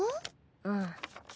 うん。